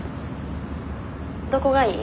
どこがいい？